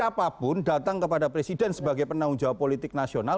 siapapun datang kepada presiden sebagai penanggung jawab politik nasional